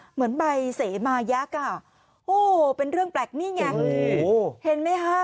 เหมือนใบเสมายักษ์อ่ะโอ้โหเป็นเรื่องแปลกนี่ไงเห็นไหมคะ